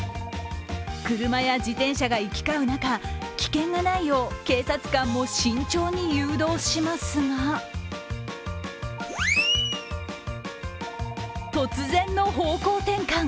車や自転車が行き交う中、危険がないよう警察官も慎重に誘導しますが突然の方向転換。